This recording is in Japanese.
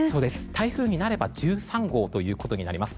台風になれば１３号ということになります。